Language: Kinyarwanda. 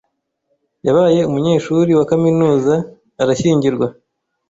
Yabaye umunyeshuri wa kaminuza arashyingirwa.